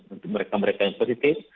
untuk mereka mereka yang positif